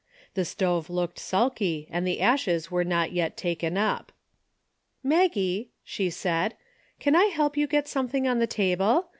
The stove looked sulky and the ashes were not yet taken up. "Maggie," she said, "can I help you get something on the table?